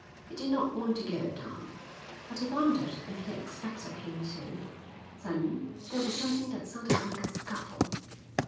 He did not want to go down, but he wondered if they expected him to. Then there was something that sounded like a scuffle.